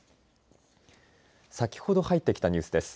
先ほど入ってきたニュースです。